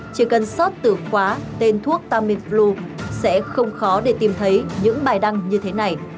chỉ cần sót từ khóa tên thuốc tamiflu sẽ không khó để tìm thấy những bài đăng như thế này